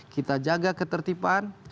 kita jaga ketertiban